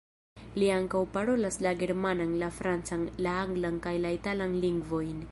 Li ankaŭ parolas la germanan, la francan, la anglan kaj la italan lingvojn.